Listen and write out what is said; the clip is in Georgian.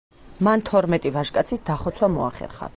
მან თორმეტი ვაჟკაცის დახოცვა მოახერხა.